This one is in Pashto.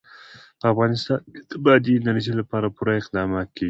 په افغانستان کې د بادي انرژي لپاره پوره اقدامات کېږي.